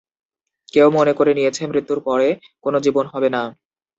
কেউ মনে করে নিয়েছে, মৃত্যুর পরে কোন জীবন হবে না।